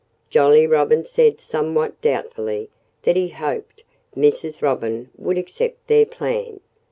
Jolly Robin said somewhat doubtfully that he hoped Mrs. Robin would accept their plan.